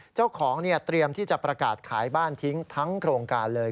เจ้าของเตรียมที่จะประกาศขายบ้านทิ้งทั้งโครงการเลย